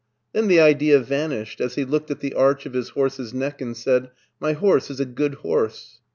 Then the idea vanished as he looked at the arch of his horse's neck, and said, " My horse is a good horse."